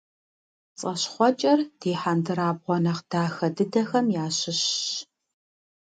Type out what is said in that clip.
ПцӀащхъуэкӀэр ди хьэндырабгъуэ нэхъ дахэ дыдэхэм ящыщщ.